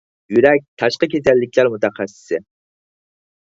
يۈرەك تاشقى كېسەللىكلەر مۇتەخەسسىسى